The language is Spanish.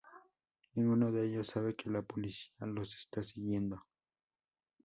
Ninguno de ellos sabe que la policía los está siguiendo.